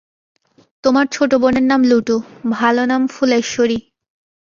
তোমার ছোট বোনের নাম লুটু, ভালো নাম ফুলেশ্বরী।